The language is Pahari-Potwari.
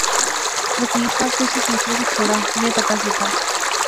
وکیل صاحب، تس اس مسئلے کی چھوڑا میں پتہ کیتا